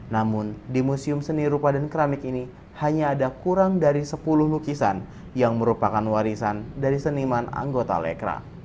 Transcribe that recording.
namun di museum seni rupa dan keramik ini hanya ada kurang dari sepuluh lukisan yang merupakan warisan dari seniman anggota lekra